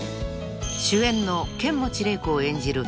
［主演の剣持麗子を演じる